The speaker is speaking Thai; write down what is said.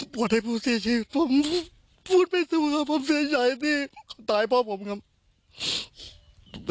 หมวดให้ผู้เสียชีวิตผมพูดไม่สุขครับผมเสียชายที่ตายพ่อผมครับ